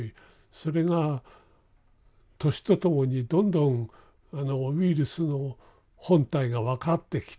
それが年と共にどんどんウイルスの本体が分かってきて。